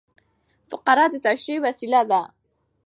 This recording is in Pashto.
فقره د تشریح وسیله ده.